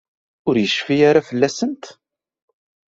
Ur yecfi ara fell-asent?